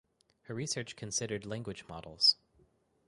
Her research considered language models.